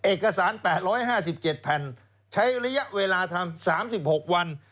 เอกสาร๘๕๗แผ่นใช้ระยะเวลาทำ๓๖วัน